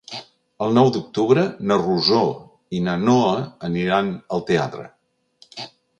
El nou d'octubre na Rosó i na Noa aniran al teatre.